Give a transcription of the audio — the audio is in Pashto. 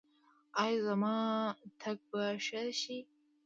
ایا زما تګ به ښه شي؟